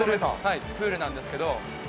はいプールなんですけど。